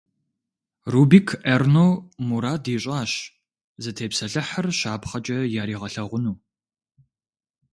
Рубик Эрно мурад ищIащ зытепсэлъыхьыр щапхъэкIэ яригъэлъэгъуну.